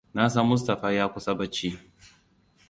Na san Mustapha ya kusa barci.